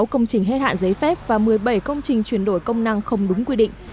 sáu công trình hết hạn giấy phép và một mươi bảy công trình chuyển đổi công năng không đúng quy định